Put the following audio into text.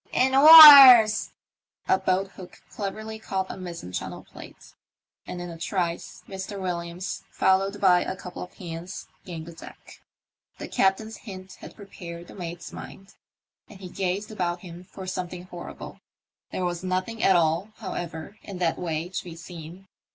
" In oars !" A boat hook cleverly caught a mizen channel plate, and in a trice Mr. "Williams, followed by a couple of hands, gained the deck. The captain's hint THE MYSTERY OF THE "^ OCEAN 8TARV 7 had prepared the mate's mind, and he gazed about him for something horrible. There was nothing at all, how ever, in that way to be seen.